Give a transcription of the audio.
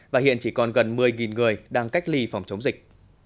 và hiện chỉ còn gần một mươi người đang cách ly phòng chống dịch